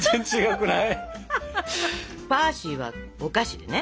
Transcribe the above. クヮーシーはお菓子でね